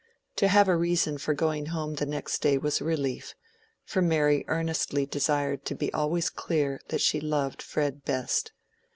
To have a reason for going home the next day was a relief, for Mary earnestly desired to be always clear that she loved Fred best.